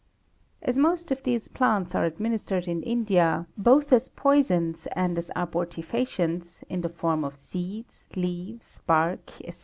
As most of these plants are administered in India, both as poisons and as abortifacients, in the form of seeds, leaves, bark, &c.